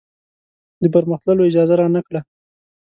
د پرمخ تللو اجازه رانه کړه.